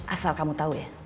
asal kamu tau ya